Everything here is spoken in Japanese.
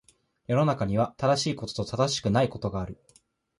世の中には、正しいことと正しくないことがある。